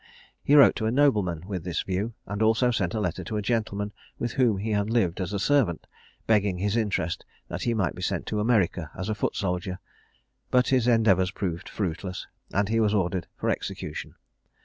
He wrote to a nobleman with this view, and also sent a letter to a gentleman with whom he had lived as a servant, begging his interest that he might be sent to America as a foot soldier; but his endeavours proved fruitless, and he was ordered for execution.